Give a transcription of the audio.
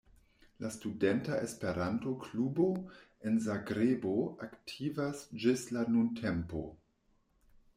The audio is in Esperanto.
La Studenta Esperanto-Klubo en Zagrebo aktivas ĝis la nuntempo.